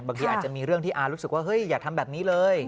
บางทีอาจจะมีเรื่องที่อารู้สึกว่าเฮ้ยอย่าทำแบบนี้เลย